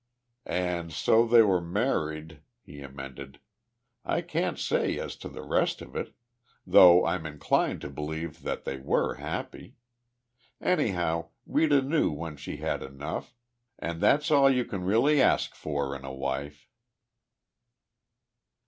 "And so they were married," he amended. "I can't say as to the rest of it though I'm inclined to believe that they were happy. Anyhow, Rita knew when she had enough and that's all you can really ask for in a wife."